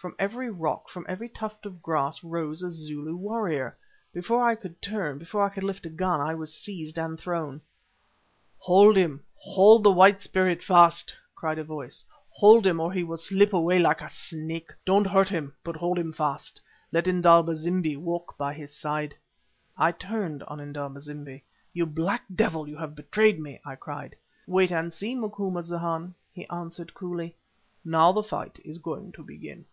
From every rock, from every tuft of grass rose a Zulu warrior. Before I could turn, before I could lift a gun, I was seized and thrown. "Hold him! Hold the White Spirit fast!" cried a voice. "Hold him, or he will slip away like a snake. Don't hurt him, but hold him fast. Let Indaba zimbi walk by his side." I turned on Indaba zimbi. "You black devil, you have betrayed me!" I cried. "Wait and see, Macumazahn," he answered, coolly. "Now the fight is going to begin."